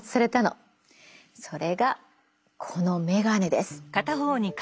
それがこの眼鏡です。